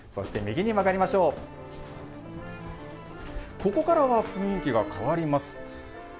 ここからは雰囲気が変わります。